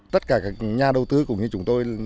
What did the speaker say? tất cả các nhà đầu tư cùng với chúng tôi